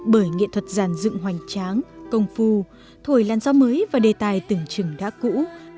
bởi nghệ thuật giàn dựng hoành tráng công phu thổi làn gió mới và đề tài từng chừng đã cũ